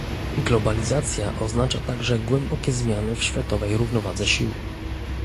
globalizacja oznacza także głębokie zmiany w światowej równowadze sił